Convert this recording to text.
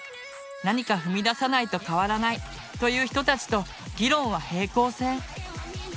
何か踏み出さないと変わらないという人たちと議論は平行線。